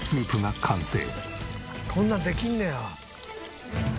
こんなんできんねや。